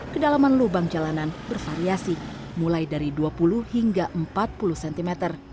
kedalaman lubang jalanan bervariasi mulai dari dua puluh hingga empat puluh cm